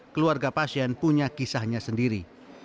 keluarga pasien punya kisahnya sendiri